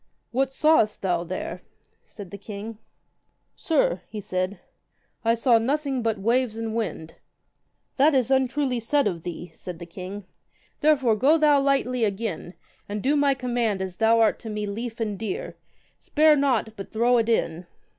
What sawest thou there? said the king. Sir, he said, I saw nothing but waves and winds. That is untruly said of thee, said the king; therefore go thou lightly again, and do my command as thou art to me lief and dear, spare not, but throw it in.